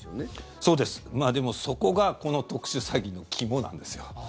でも、そこがこの特殊詐欺の肝なんですよ。